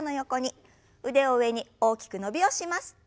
腕を上に大きく伸びをします。